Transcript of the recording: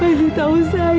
ibu tau saya